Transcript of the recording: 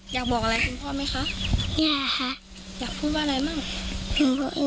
อยากบอกอะไรคุณพ่อไหมคะอยากค่ะอยากพูดว่าอะไรบ้าง